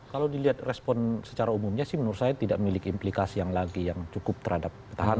kalau dilihat respon secara umumnya sih menurut saya tidak memiliki implikasi yang lagi yang cukup terhadap petahana